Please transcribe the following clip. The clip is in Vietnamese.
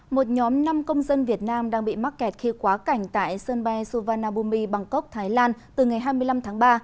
một nhóm năm công dân việt nam đang bị mắc kẹt khi quá cảnh tại sân bay suvarnabhumi bangkok thái lan từ ngày hai mươi năm tháng ba